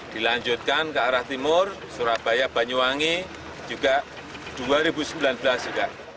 dilanjutkan ke arah timur surabaya banyuwangi juga dua ribu sembilan belas juga